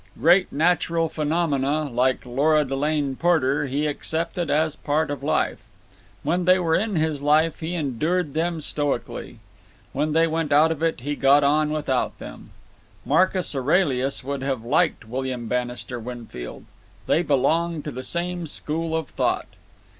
Great natural phenomena, like Lora Delane Porter, he accepted as part of life. When they were in his life, he endured them stoically. When they went out of it, he got on without them. Marcus Aurelius would have liked William Bannister Winfield. They belonged to the same school of thought.